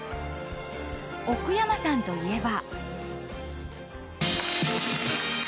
奥山さんといえば。